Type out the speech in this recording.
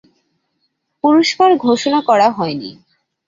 পুরস্কার ঘোষণা করা হয়নি।